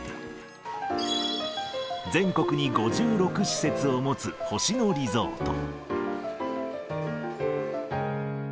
全国に５６施設を持つ星野リゾート。